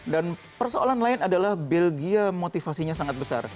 dan persoalan lain adalah belgia motivasinya sangat besar